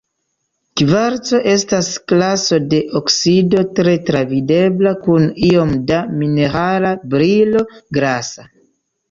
Kvarco estas klaso de oksido, tre travidebla kun iom da minerala brilo grasa.